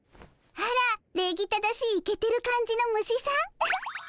あら礼儀正しいイケてる感じの虫さんウフッ。